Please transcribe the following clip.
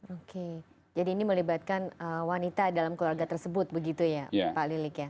oke jadi ini melibatkan wanita dalam keluarga tersebut begitu ya pak lilik ya